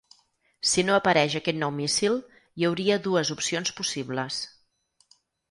Si no apareix aquest nou míssil, hi hauria dues opcions possibles.